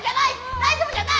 大丈夫じゃない！